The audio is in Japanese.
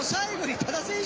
多田選手